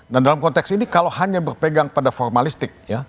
dan dalam konteks ini kalau hanya berpegang pada formalistik